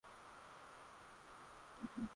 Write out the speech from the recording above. itatugharimu pengine karibu miaka kumi ijayo